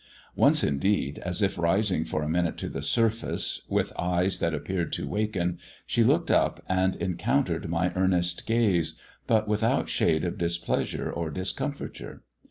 Once, indeed, as if rising for a minute to the surface, with eyes that appeared to waken, she looked up and encountered my earnest gaze, but without shade of displeasure or discomfiture.